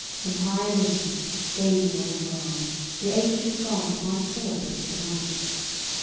From high Olympus, gazing on the world, The ancient gods once saw it with delight.